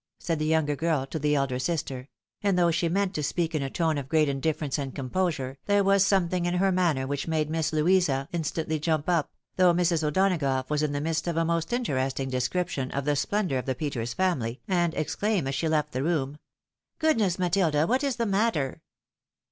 said the younger to the elder sister : and though she meant to speak in a tone of great in difference and composure, there was something in her manner 224 THE WIDOW MARRIED. which made Miss Louisa instantly jump up, though Mrs. O'Donagough was in the midst of a most interesting description of the splendour of the Peters' family, and exclaim as she left the room, " Goodness, Matilda ! what is the matter?